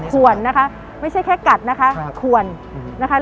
ขวนนะคะไม่ใช่แค่กัดนะคะขวนนะคะ